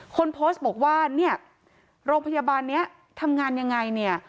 คนโพสต์บอกว่าโรงพยาบาลนี้ทำงานยังไง